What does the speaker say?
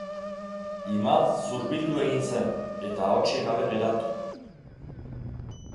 Imad zurbildu egin zen, eta ahotsik gabe geratu.